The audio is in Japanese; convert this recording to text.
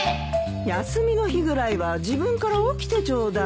休みの日ぐらいは自分から起きてちょうだい！